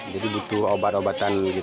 jadi butuh obat obatan gitu